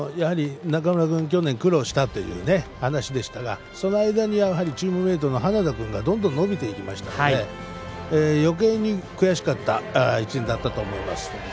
去年苦労したという話でしたがその間にチームメートの花田君がどんどん伸びましたからよけいに悔しかった１年だったと思います。